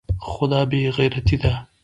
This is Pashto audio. خو دا بې غيرتي ده.